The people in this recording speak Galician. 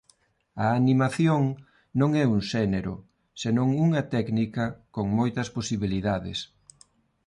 A animación non é un xénero senón unha técnica con moitas posibilidades.